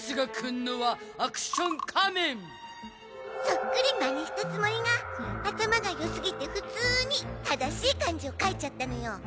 そっくりまねしたつもりが頭が良すぎて普通に正しい漢字を書いちゃったのよ。